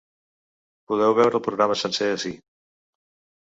Podeu veure el programa sencer ací.